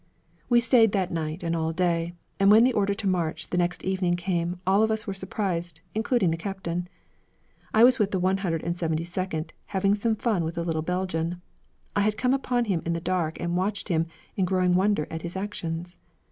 We stayed that night and all day, and when the order to march the next evening came, all of us were surprised, including the captain. I was with the One Hundred and Seventy Second, having some fun with a little Belgian. I had come upon him in the dark and had watched him, in growing wonder at his actions.